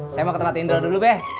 saya mau ke tempat tidur dulu be